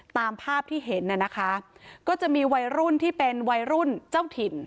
ตามภาพที่เห็นน่ะนะคะก็จะมีวัยรุ่นที่เป็นวัยรุ่นเจ้าถิ่น